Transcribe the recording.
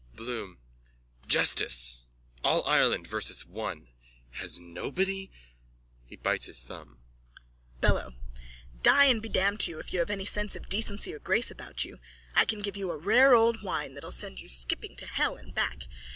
BLOOM: Justice! All Ireland versus one! Has nobody...? (He bites his thumb.) BELLO: Die and be damned to you if you have any sense of decency or grace about you. I can give you a rare old wine that'll send you skipping to hell and back.